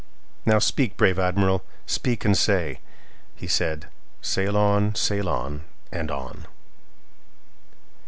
Now speak, brave Admiral, speak and say"—He said: "Sail on! sail on! and on!"